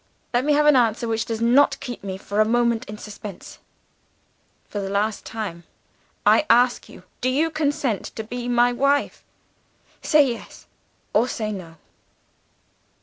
Let me have an answer which does not keep me for a moment in suspense. "'For the last time, I ask you: Do you consent to be my wife? Say, Yes or say, No.